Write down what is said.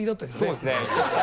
そうですね。